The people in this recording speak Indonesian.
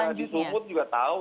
tindak bisa disumut juga tahu